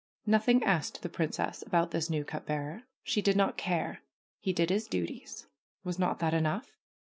Nothing asked the princess about this new cup bearer. She did not care. He did his duties. Was not that enough